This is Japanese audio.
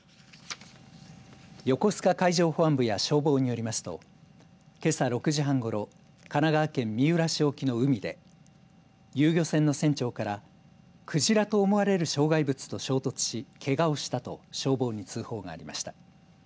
横須賀海上保安部や消防によりますとけさ６時半ごろ神奈川県三浦市沖の海で遊漁船の船長から鯨と思われる障害物と衝突しけがをしたと消防に通報がありました。